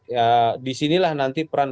jadi disinilah nanti peran